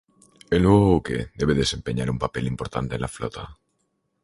El nuevo buque debe desempeñar un papel importante en la flota.